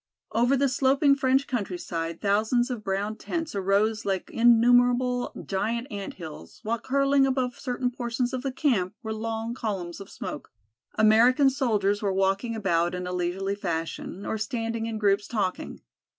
Over the sloping French countryside thousands of brown tents arose like innumerable, giant anthills, while curling above certain portions of the camp were long columns of smoke. American soldiers were walking about in a leisurely fashion, or standing in groups talking.